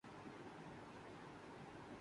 اس بارے میں ان کے کوئی تحفظات نہیں۔